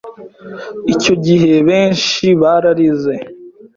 Icyo gihe benshi bararize